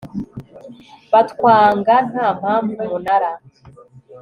batwanga nta mpamvu umunara